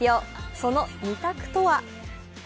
その２択とは？